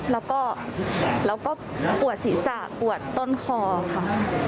แล้วก็เราก็ปวดศีรษะปวดต้นคอค่ะ